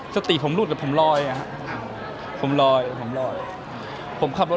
สติผมรูดแล้วผมลอยนะครับ